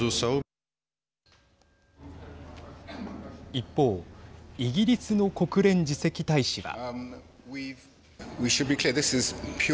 一方イギリスの国連次席大使は。